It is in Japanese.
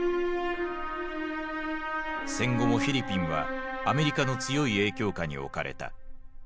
戦後もフィリピンはアメリカの強い影響下に置かれた。